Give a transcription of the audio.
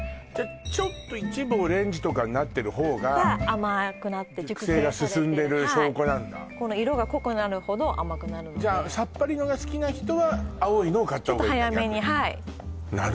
ちょっと一部オレンジとかになってる方が甘くなって熟成されて熟成が進んでる証拠なんだこの色が濃くなるほど甘くなるのでじゃあさっぱりのが好きな人は青いのを買った方がいいんだ